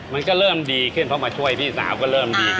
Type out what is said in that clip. มันก็เริ่มดีขึ้นเพราะมาช่วยพี่สาวก็เริ่มดีขึ้น